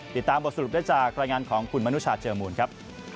ติดตามบทสรุปได้จากรายงานของคุณมนุชาเจอมูลครับ